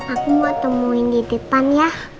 aku mau temuin di depan ya